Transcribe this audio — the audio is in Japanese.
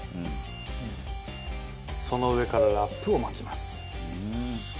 その上からラップを巻きます。